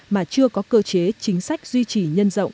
mà chưa có cơ chế chính sách duy trì nhân rộng